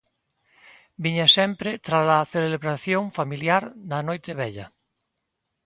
Viña sempre tras a celebración familiar da Noite Vella.